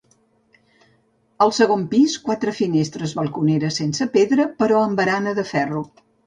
Al segon pis, quatre finestres balconeres sense pedra, però amb barana de ferro.